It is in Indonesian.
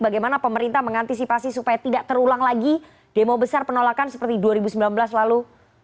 bagaimana pemerintah mengantisipasi supaya tidak terulang lagi demo besar penolakan seperti dua ribu sembilan belas lalu